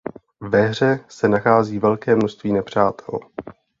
Ve hře se nachází velké množství nepřátel.